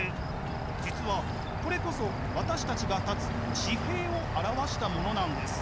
実はこれこそ私たちが立つ地平を表したものなんです。